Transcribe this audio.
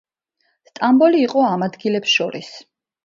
სტამბოლი იყო ამ ადგილებს შორის.